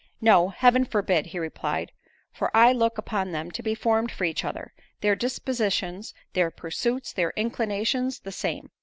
No, Heaven forbid," he replied, "for I look upon them to be formed for each other—their dispositions, their pursuits, their inclinations the same.